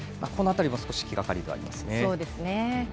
この辺りも少し気がかりではあります。